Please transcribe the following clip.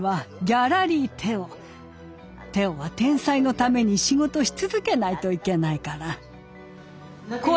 テオは天才のために仕事し続けないといけないから。